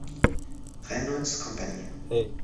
Reynolds Company".